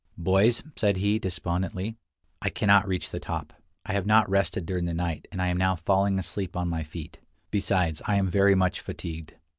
"Boys," said he, despondently, "I cannot reach the top; I have not rested during the night, and I am now falling asleep on my feet; besides, I am very much fatigued."